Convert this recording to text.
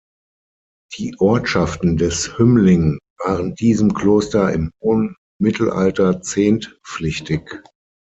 Die Ortschaften des Hümmling waren diesem Kloster im hohen Mittelalter Zehnt-pflichtig.